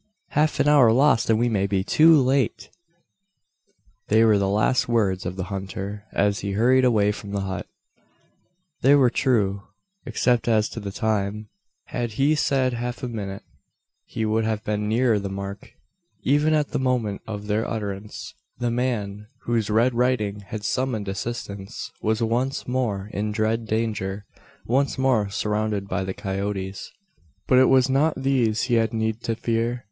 "Half an hour lost, and we may be too late!" They were the last words of the hunter, as he hurried away from the hut. They were true, except as to the time. Had he said half a minute, he would have been nearer the mark. Even at the moment of their utterance, the man, whose red writing had summoned assistance, was once more in dread danger once more surrounded by the coyotes. But it was not these he had need to fear.